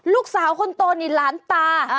ลูกสาวคนโตนี่หลานตา